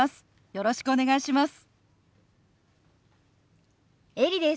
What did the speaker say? よろしくお願いします。